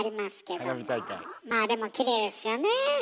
まあでもきれいですよねえ。